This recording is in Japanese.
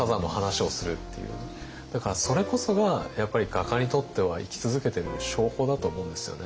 だからそれこそがやっぱり画家にとっては生き続けてる証拠だと思うんですよね。